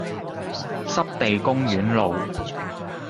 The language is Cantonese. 濕地公園路